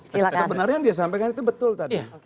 sebenarnya yang dia sampaikan itu betul tadi